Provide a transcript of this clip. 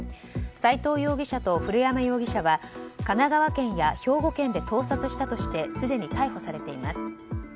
斉藤容疑者と古山容疑者は神奈川県や兵庫県で盗撮したとしてすでに逮捕されています。